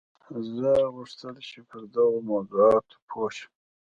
زه غوښتل چې پر دغو موضوعاتو پوه شم